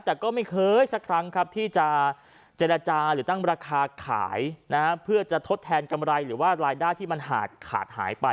แต่ก็ไม่เคยสักครั้งครับที่จะเจรจาหรือตั้งราคาขายนะฮะเพื่อจะทดแทนกำไรหรือว่ารายได้ที่มันขาดหายไป